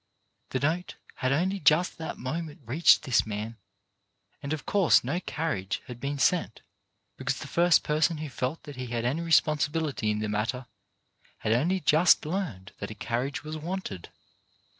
The note had only just that moment reached this man, and of course no carriage had been sent because the first person who felt that he had any responsibility in the matter had only just learned that a carriage was wanted.